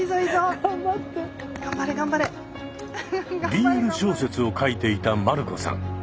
ＢＬ小説を書いていた丸子さん。